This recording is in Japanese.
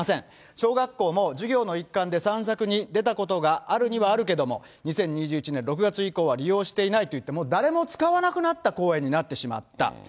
小学校も、授業の一環で散策に出たことがあるにはあるけれども、２０２１年６月以降は利用していないといって、もう誰も使わなくなった公園になってしまった。